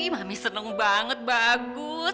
mami seneng banget bagus